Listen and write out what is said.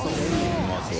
うまそう。